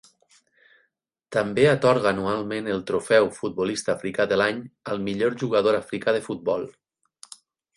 També atorga anualment el trofeu Futbolista africà de l'any al millor jugador africà de futbol.